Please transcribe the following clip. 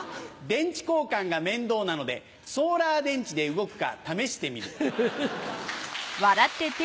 電池交換が面倒なのでソーラー電池で動くか試してみる。